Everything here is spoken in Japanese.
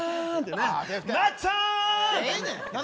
なっちゃん！